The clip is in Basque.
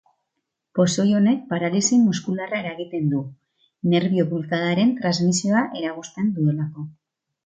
Pozoi honek paralisi muskularra eragiten du, nerbio-bulkadaren transmisioa eragozten duelako.